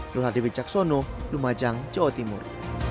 duhadewi caksono lumajang jawa timur